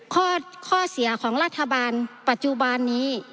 ข้อเสียของรัฐบาลปัจจุบันนี้